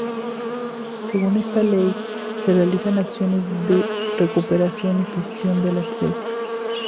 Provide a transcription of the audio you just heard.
Según esta ley se realizan acciones de recuperación y gestión de la especie.